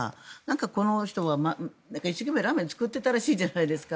この人が一生懸命ラーメンを作ってたらしいじゃないですか。